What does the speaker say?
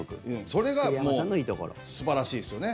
それが素晴らしいですね。